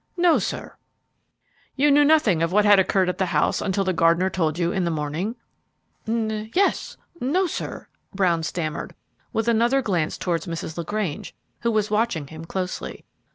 "No, sir." "You knew nothing of what had occurred at the house until the gardener told you in the morning?" "N yes no, sir," Brown stammered, with another glance towards Mrs. LaGrange, who was watching him closely.